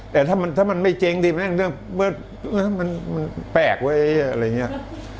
แต่ถ้ามันไม่เจ้งดีแม่งเรื่องมันแปลกเว้ยอะไรอย่างเงี้ย